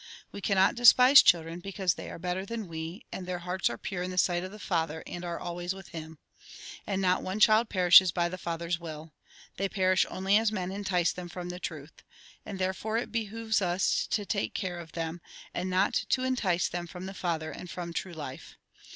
We cannot despise children, because they are better than we, and their hearts are pure in the sight of the Father, and are always \'sith Him. " And not one child perishes by the Father's will. They perish only as men entice them from the truth. And therefore it behoves us to take care of them, and not to entice them from the Father, and from true life.